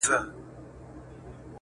یا درویش سي یا سایل سي یاکاروان سي,